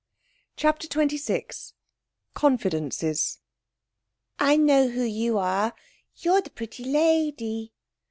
CHAPTER XXVI Confidences 'I know who you are. You're the pretty lady.